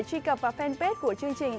truy cập vào fanpage của chương trình